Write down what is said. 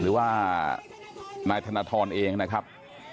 หรือว่าหน้านาธรเองนะครับ